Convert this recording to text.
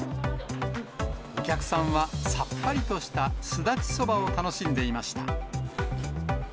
お客さんは、さっぱりとしたすだちそばを楽しんでいました。